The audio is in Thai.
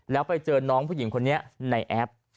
แล้วไปเจอน้องผู้หญิงคนนี้ในแอป